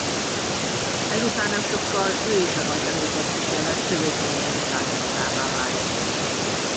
Ezután nem sokkal ő is a rajta végzet kísérlet szövődményeinek áldozatává válik.